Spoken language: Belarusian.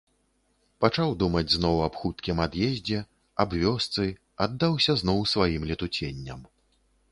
Пачаў думаць зноў аб хуткім ад'ездзе, аб вёсцы, аддаўся зноў сваім летуценням.